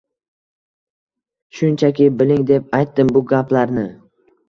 Shunchaki, biling deb aytdim, bu gaplarni